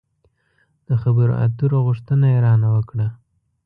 د خبرو اترو غوښتنه يې را نه وکړه.